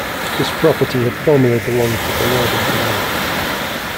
This property had formerly belonged to the Lord of the Isles.